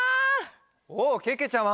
おっけけちゃま！